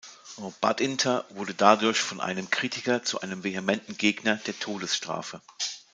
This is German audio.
Badinter wurde dadurch von einem Kritiker zu einem vehementen Gegner der Todesstrafe.